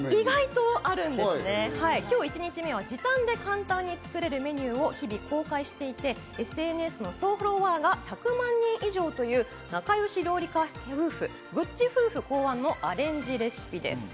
今日、１日目は時短で簡単に作れるメニューを日々公開していて、ＳＮＳの総フォロワーが１００万人以上という仲よし料理家夫婦・ぐっち夫婦考案のアレンジレシピです。